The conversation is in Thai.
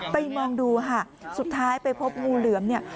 ไปมองดูค่ะสุดท้ายไปพบงูเหลือมเนี่ย